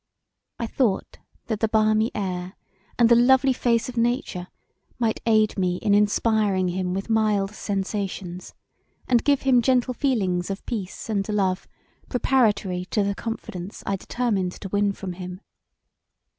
I thought that the balmy air and the lovely face of Nature might aid me in inspiring him with mild sensations, and give him gentle feelings of peace and love preparatory to the confidence I determined to win from him.